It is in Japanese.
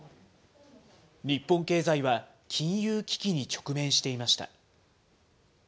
日本経済は、金融危機に直面していました。